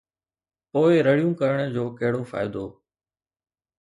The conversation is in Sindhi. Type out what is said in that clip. پوءِ رڙيون ڪرڻ جو ڪهڙو فائدو؟